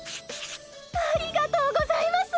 ありがとうございます！